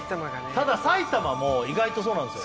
ただ埼玉も意外とそうなんですよ